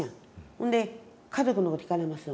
ほんで家族のこと聞かれます。